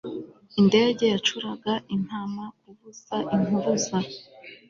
indege yacuraga impama kuvuza impuruza